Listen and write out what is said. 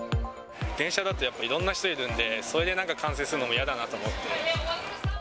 電車だとやっぱ、いろんな人いるんで、それでなんか、感染するのも嫌だなと思って。